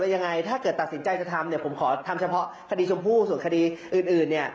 จะตัดสินใจทำผมเขาทำเฉพาะคดีชมภูรณ์แต่การส่วนคดีอื่น